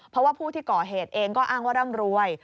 เพราะว่าผู้ที่ก่อเหตุเองก็อ้างว่าร่ำรวย